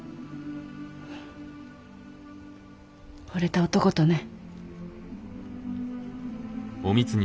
惚れた男とね。